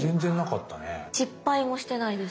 失敗もしてないです。